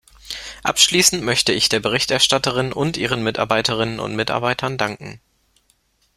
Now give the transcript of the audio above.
Abschließend möchte ich der Berichterstatterin und ihren Mitarbeiterinnen und Mitarbeitern danken.